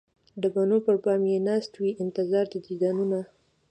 د بڼو پر بام یې ناست وي انتظار د دیدنونه